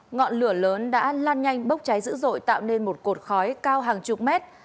ngọn lửa lớn đã lan nhanh bốc cháy dữ dội tạo nên một cột khói cao hàng chục mét